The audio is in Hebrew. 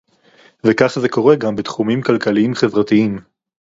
וכך זה קורה גם בתחומים כלכליים-חברתיים